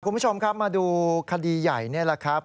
คุณผู้ชมครับมาดูคดีใหญ่นี่แหละครับ